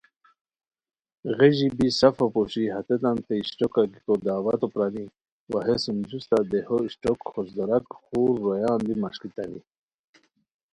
غیژی بی سفو پوشی ہیتانتین اِشٹوکہ گیکو دعوتو پرانی وا ہے سُم جوستہ دیہو اِشٹوک خوش داراک خور رویان دی مݰکیتانی